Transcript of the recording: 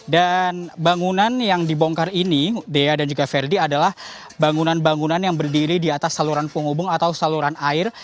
dan bangunan yang dibongkar ini dea dan juga verdi adalah bangunan bangunan yang berdiri di atas saluran penghubung atau saluran air